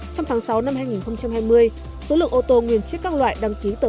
trong tháng sáu năm hai nghìn hai mươi số lượng ô tô nguyên chiếc các loại đăng ký tờ khai